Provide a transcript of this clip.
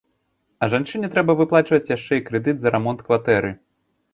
А жанчыне трэба выплачваць яшчэ і крэдыт за рамонт кватэры.